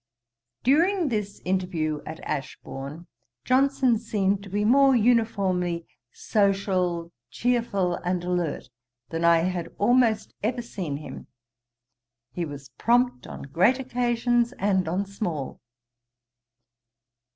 During this interview at Ashbourne, Johnson seemed to be more uniformly social, cheerful, and alert, than I had almost ever seen him. He was prompt on great occasions and on small.